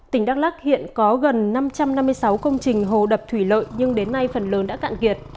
tỉnh đắk lắc hiện có gần năm trăm năm mươi sáu công trình hồ đập thủy lợi nhưng đến nay phần lớn đã cạn kiệt